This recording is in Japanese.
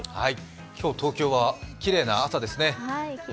今日、東京はきれいな朝ですね。